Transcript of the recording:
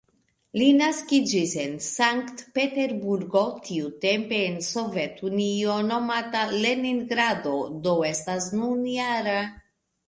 Li naskiĝis en Sankt-Peterburgo, tiutempe en Sovetunio nomata "Leningrado", do nun estas -jara.